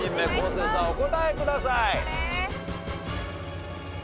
生さんお答えください。